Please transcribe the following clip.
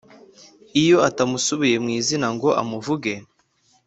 Iyo atamusubiye mu izina ngo amuvuge